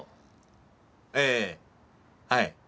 ええはい。